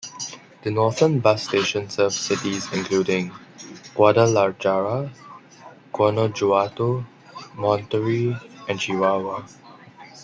The northern bus station serves cities including Guadalajara, Guanajuato, Monterrey and Chihuahua.